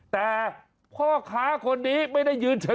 แต่พ่อค้าคนนี้ไม่ได้ยืนเฉย